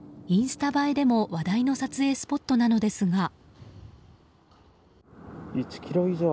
インスタ映えでも話題の撮影スポットなのですが。